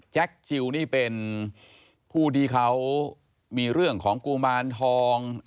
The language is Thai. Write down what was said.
จิลนี่เป็นผู้ที่เขามีเรื่องของกุมารทอง